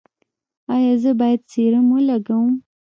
ایا زه باید سیروم ولګوم؟